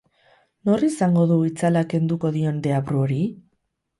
Nor izango du itzala kenduko dion deabru hori?